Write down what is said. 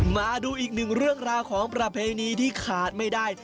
มาดูอีกหนึ่งเรื่องราวของประเพณีที่ขาดไม่ได้